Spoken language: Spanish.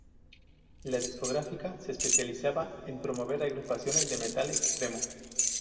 La discográfica se especializaba en promover agrupaciones de metal extremo.